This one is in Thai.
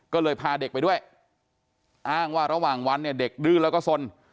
ก็เลยพาเด็กไปด้วยอ้างว่าระหว่างวันเนี่ยเด็กดื้อแล้วก็สน